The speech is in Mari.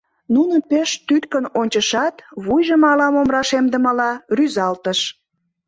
Нуным пеш тӱткын ончышат, вуйжым ала-мом рашемдымыла рӱзалтыш.